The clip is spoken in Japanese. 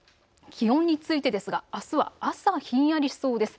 気温についてですがあすは朝はひんやりしそうです。